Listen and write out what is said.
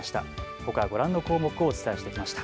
ほかご覧の項目をお伝えしてきました。